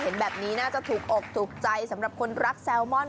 เห็นแบบนี้น่าจะถูกอกถูกใจสำหรับคนรักแซลมอน